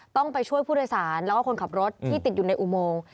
ต้องไปช่วยผู้โดยสารแล้วก็คนขับรถที่ติดอยู่ในอุโมง